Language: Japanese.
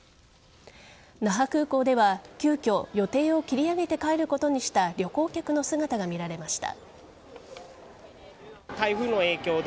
那覇空港では急きょ、予定を切り上げて帰ることにした旅行客の姿が見られました。